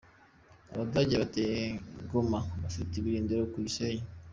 Abadage bateye Goma bafite ibirindiro ku Gisenyi.